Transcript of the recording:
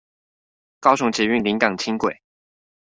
高雄捷運臨港輕軌